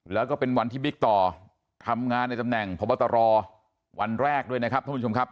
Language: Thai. แล้วก็เป็นวันที่บิ๊กต่อทำงานในตำแหน่งพบตรวันแรกด้วยนะครับท่านผู้ชมครับ